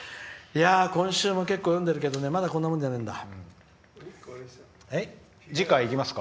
今週も、結構読んでるけどまだこんなもんじゃないんだ。